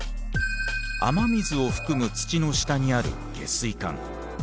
雨水を含む土の下にある下水管。